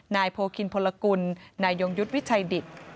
นายโพคินพลกุลนายยงยุทธ์วิชัยดิต